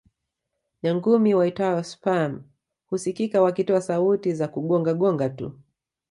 Nyangumi waitwao sperm husikika wakitoa sauti za kugonga gonga tu